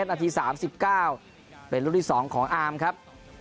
ละทีสามสิบเก้าเป็นหลุ่นที่สองของครับ